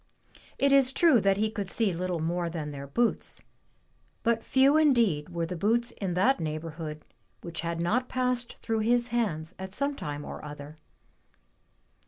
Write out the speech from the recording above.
It is true that he could see little more than their boots, but few indeed were the boots in that neighborhood which had not passed through his hands at some time or other.